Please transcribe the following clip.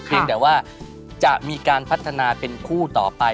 เพียงแต่ว่าจะมีการพัฒนาเป็นคู่ต่อไป